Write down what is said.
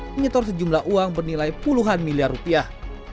menyetor sejumlah uang bernilai puluhan miliar rupiah